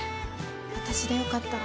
私でよかったら。